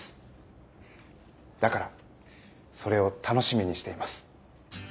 だからそれを楽しみにしています。